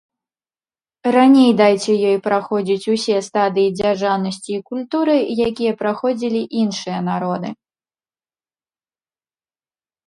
Раней дайце ёй праходзіць усе стадыі дзяржаўнасці і культуры, якія праходзілі іншыя народы.